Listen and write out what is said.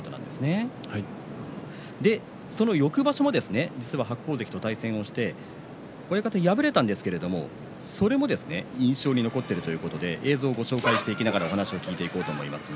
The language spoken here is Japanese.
そして、その翌場所も実は白鵬関と対戦をして親方、敗れたんですけれどもそれも印象に残っているということで映像をご紹介していきながらお話を聞いていこうと思います。